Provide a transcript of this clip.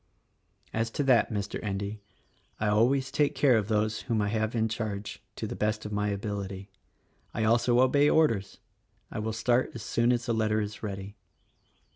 "As to that, Mr. Endy, I always take care of those whom I have in charge, to the best of my ability. I also obey orders. I will start as soon as the letter is ready."